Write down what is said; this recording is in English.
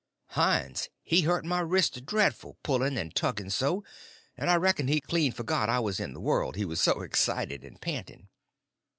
Hines he hurt my wrist dreadful pulling and tugging so, and I reckon he clean forgot I was in the world, he was so excited and panting.